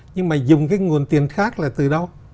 nhưng mà dùng cái nguồn tiền khác là từ đâu